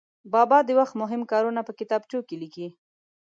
بابا د وخت مهم کارونه په کتابچو کې ولیکي.